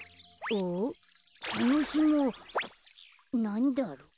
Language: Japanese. このひもなんだろう。